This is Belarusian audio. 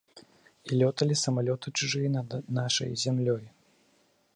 І лёталі самалёты чужыя над нашай зямлёй.